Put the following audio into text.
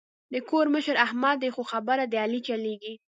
د کور مشر احمد دی خو خبره د علي چلېږي.